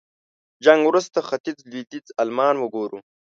جنګ وروسته ختيځ لوېديځ المان وګورو.